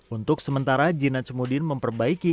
untuk sementara jin najmudin memperbaiki